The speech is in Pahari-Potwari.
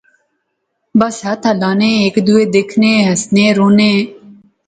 بس ہتھ ہلانے۔۔۔ہیک دوہے دیکھنے۔۔ ہنسے رونے